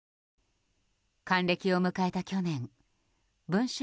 還暦を迎えた去年文春